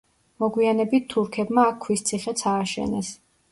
მოგვიანებით თურქებმა აქ ქვის ციხეც ააშენეს.